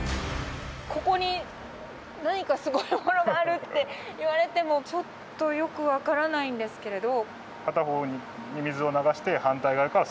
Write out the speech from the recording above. ここに何かすごいものがあるといわれてもちょっとよく分からないんですけれど。